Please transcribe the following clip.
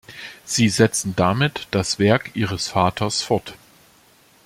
Sie setzten damit das Werk ihres Vaters fort.